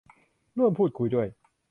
ร่วมพูดคุยด้วย